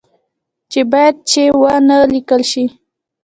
چې باید چي و نه لیکل شي